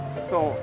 そう。